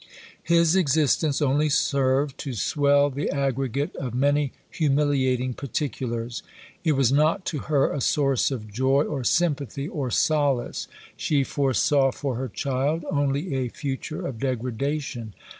His existence only served to swell the aggregate of many humiliating particulars. It was not to her a source of joy, or sympathy, or solace. She foresaw for her child only a future of degradation.